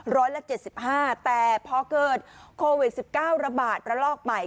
ร้อยละ๗๕แต่พอเกิดโควิด๑๙ระบาดระลอกใหม่